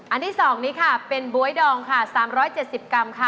ที่๒นี้ค่ะเป็นบ๊วยดองค่ะ๓๗๐กรัมค่ะ